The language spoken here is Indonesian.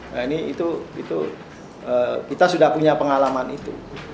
nah ini itu kita sudah punya pengalaman itu